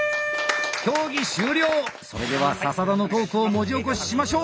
それでは笹田のトークを文字起こししましょう。